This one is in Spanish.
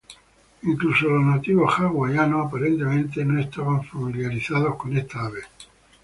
Incluso los nativos hawaianos aparentemente no estaban familiarizados con esta ave.